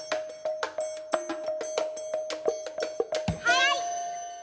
はい！